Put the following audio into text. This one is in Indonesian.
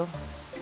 kasian ya lo